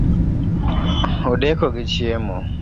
Odeko gi chiemo